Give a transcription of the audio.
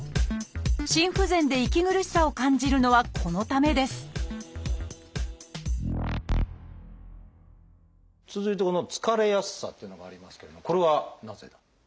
心不全で息苦しさを感じるのはこのためです続いてこの「疲れやすさ」というのがありますけどもこれはなぜ？